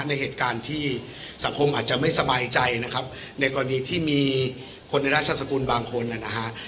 ในเหตุการณ์ที่สังคมอาจจะไม่สบายใจนะครับในกรณีที่มีคนในราชสกุลบางคนนะฮะ